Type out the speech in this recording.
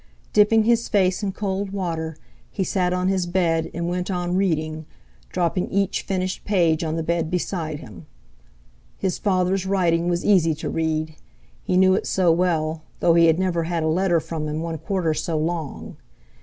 Dipping his face in cold water, he sat on his bed, and went on reading, dropping each finished page on the bed beside him. His father's writing was easy to read—he knew it so well, though he had never had a letter from him one quarter so long.